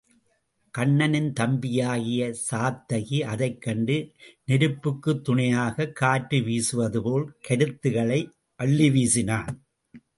கண்ணனின் தம்பியாகிய சாத்தகி அதைக் கண்டு நெருப்புக்குத் துணையாகக் காற்று வீசுவதுபோல் கருத் துகளை அள்ளி வீசினான்.